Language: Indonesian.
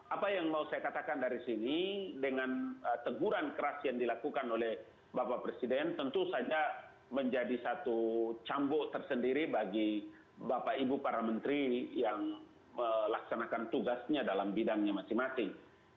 apa yang mau saya katakan dari sini dengan teguran keras yang dilakukan oleh bapak presiden tentu saja menjadi satu cambuk tersendiri bagi bapak ibu para menteri yang melaksanakan tugasnya dalam bidangnya masing masing